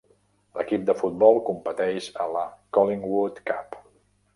L'equip de futbol competeix a la Collingwood Cup.